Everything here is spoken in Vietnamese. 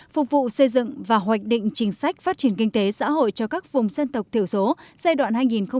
phục vụ xây dựng và hoạch định chính sách phát triển kinh tế xã hội cho các vùng dân tộc thiểu số giai đoạn hai nghìn hai mươi một hai nghìn ba mươi